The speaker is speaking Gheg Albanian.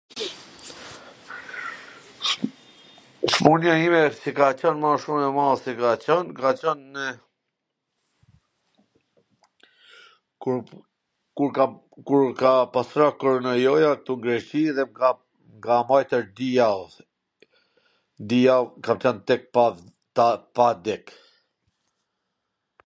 smun-ja ime qw ka qwn ma shum e madhe qw ka qwn, ka qwnw ... kur, kur ka pas ra koronojoja ktu n Greqi dhe m ka m ka mbajtur di jav. Di jav kam qen dek pa, pa dek